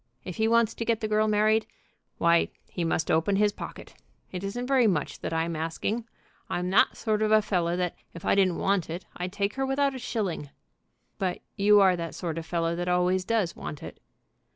If he wants to get the girl married, why he must open his pocket. It isn't very much that I'm asking. I'm that sort of a fellow that, if I didn't want it, I'd take her without a shilling." "But you are that sort of fellow that always does want it."